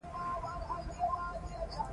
تا به ویل همدوی د دې ښار واکداران دي.